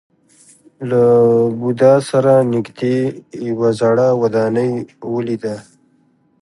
له بودا سره نژدې یوه زړه ودانۍ ولیده.